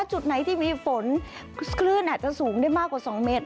จุดไหนที่มีฝนคลื่นอาจจะสูงได้มากกว่า๒เมตร